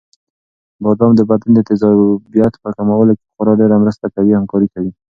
بادام د بدن د تېزابیت په کمولو کې خورا ډېره مرسته او همکاري کوي.